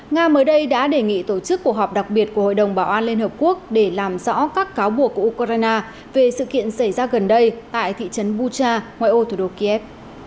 nga mới đây đã đề nghị tổ chức cuộc họp đặc biệt của hội đồng bảo an liên hợp quốc để làm rõ các cáo buộc của ukraine về sự kiện xảy ra gần đây tại thị trấn bucha ngoài ô thủ đô kiev